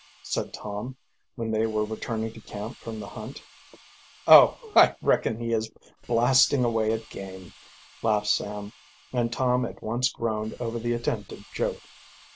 said Tom, when they were returning to camp from the hunt. "Oh, I reckon he is blasting away at game," laughed Sam, and Tom at once groaned over the attempted joke.